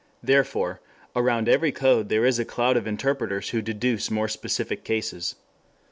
Therefore, around every code there is a cloud of interpreters who deduce more specific cases.